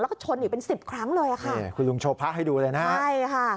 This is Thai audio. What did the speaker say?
แล้วก็ชนอีกเป็นสิบครั้งเลยอ่ะค่ะนี่คุณลุงโชว์พระให้ดูเลยนะฮะใช่ค่ะ